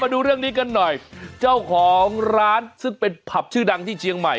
ดูเรื่องนี้กันหน่อยเจ้าของร้านซึ่งเป็นผับชื่อดังที่เชียงใหม่